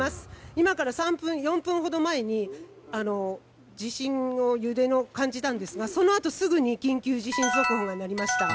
今から３分から４分ほど前に地震の揺れを感じたんですがそのあとすぐに緊急地震速報となりました。